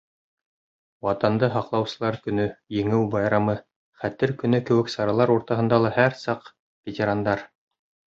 Ватанды һаҡлаусылар көнө, Еңеү байрамы, Хәтер көнө кеүек саралар уртаһында ла һәр саҡ — ветерандар.